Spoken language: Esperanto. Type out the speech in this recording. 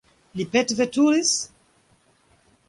Li petveturis?